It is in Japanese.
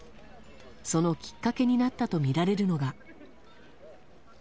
そのきっかけになったとみられるのが。